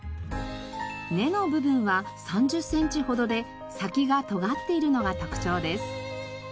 根の部分は３０センチほどで先がとがっているのが特徴です。